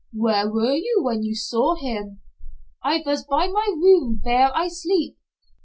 "Where were you when you saw him?" "I vas by my room vere I sleep.